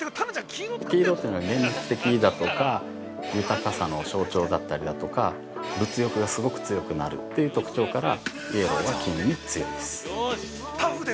黄色というのは、現実的だとか豊かさの象徴だったりだとか物欲がすごく強くなるっていう特徴からイエローは金運に強いです。